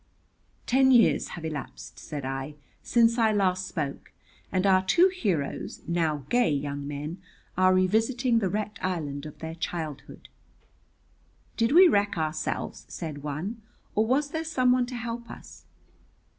"Ten years have elapsed," said I, "since I last spoke, and our two heroes, now gay young men, are revisiting the wrecked island of their childhood. 'Did we wreck ourselves,' said one, 'or was there someone to help us?'